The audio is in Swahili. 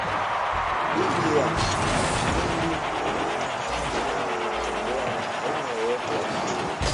dhidi ya Mmatumbi yeyote anaepatikana anatembea na aina yoyote ya mti